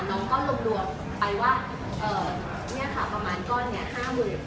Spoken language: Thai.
น้องก็ตกลงไปว่าเนี่ยค่ะประมาณก้อนนี้๕๐๐๐บาท